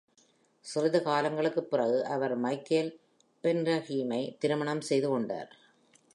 சிறிது காலங்களுக்கு பிறகு, அவர் மைக்கேல் பென்னஹூமை திருமணம் செய்து கொண்டார்.